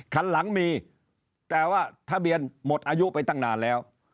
คันหลังมีแต่ว่าทะเบียนหมดอายุไปตั้งนานแล้ว